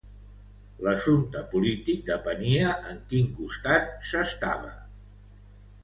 L'assumpte polític depenia en quin costat s'estava.